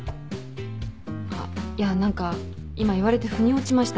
あっいや何か今言われてふに落ちました。